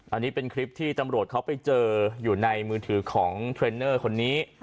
อันนี้เป็นคลิปที่ตำรวจเขาไปเจออยู่ในมือถือของเทรนเนอร์คนนี้